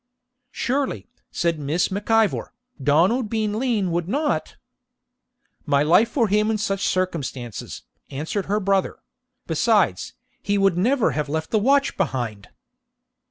'Surely,' said Miss Mac Ivor, 'Donald Bean Lean would not ' 'My life for him in such circumstances,' answered her brother; 'besides, he would never have left the watch behind.'